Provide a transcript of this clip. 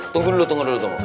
tunggu dulu tunggu dulu